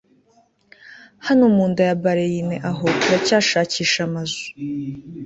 hano mu nda ya baleineaho turacyashakisha amazu